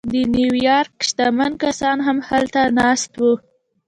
د نیویارک شتمن کسان هم هلته ناست وو